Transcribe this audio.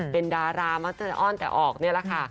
เป็นดารามักจะอ้อนแต่ออกนี่แหละค่ะ